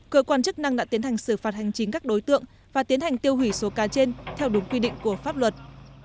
cơ quan chức năng đã tiến hành xử phạt hành chính các đối tượng và tiến hành tiêu hủy số cá trên theo đúng quy định của pháp luật